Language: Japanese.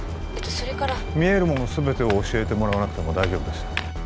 それから見えるもの全てを教えてもらわなくても大丈夫ですよ